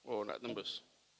oh gak tembus